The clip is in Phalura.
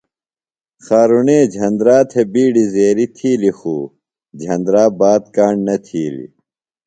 خارُݨے جھندرا تھےۡ بِیڈیۡ زیریۡ تِھیلیۡ خُو جھندرا بات کاݨ نہ تِھیلیۡ۔